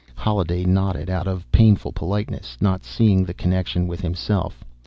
Holliday nodded out of painful politeness, not seeing the connection with himself.